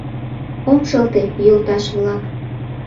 Ом шылте, йолташ-влак!